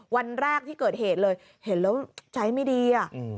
วันแรกที่เกิดเหตุเลยเห็นแล้วใจไม่ดี